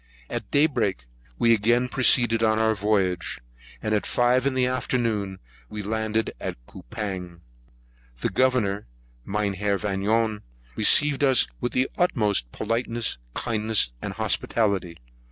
At day break, we again proceeded on our voyage, and at five in the afternoon we landed at Coupang. The Governor, Mynheer Vanion, received us with the utmost politeness, kindness, and hospitality.